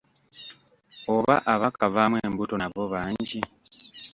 Oba abaakavaamu embuto nabo bangi.